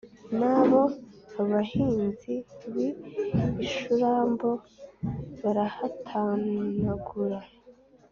na bo abahinzi b'i shurumbo barahatantagura.